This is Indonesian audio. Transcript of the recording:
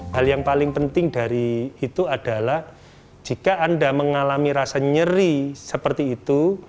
hal yang paling penting dari itu adalah jika anda mengalami rasa nyeri seperti itu